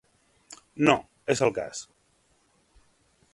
No, és el cas.